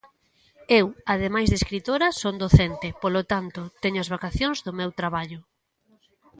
Eu ademais de escritora son docente, polo tanto, teño as vacacións do meu traballo.